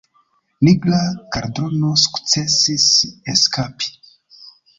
Nigra Kaldrono sukcesis eskapi.